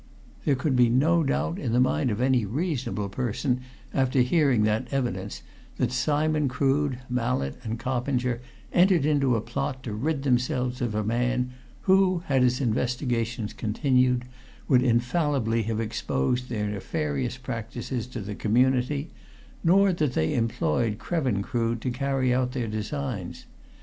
There could be no doubt in the mind of any reasonable person after hearing that evidence, that Simon Crood, Mallett and Coppinger entered into a plot to rid themselves of a man who, had his investigations continued, would infallibly have exposed their nefarious practices to the community, nor that they employed Krevin Crood to carry out their designs.